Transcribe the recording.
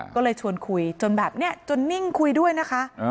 ก็เลยชวนคุยจนแบบนี้จนนิ่งคุยด้วยนะคะ